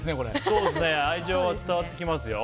愛情は伝わってきますよ。